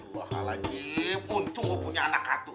bahal lagi untung gue punya anak satu